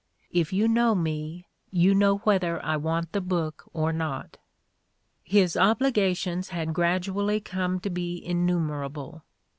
If you know me, you know whether I want the book or not." His obligations had gradually come to be in numerable.